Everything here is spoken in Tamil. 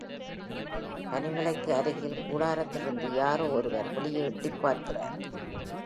பனி மலைக்கு அருகில் கூடாரத்திலிருந்து யாரோ ஒருவர் வெளியே எட்டிப் பார்க்கிறார்.